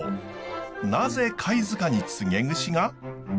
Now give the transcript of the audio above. なぜ貝塚につげ櫛が？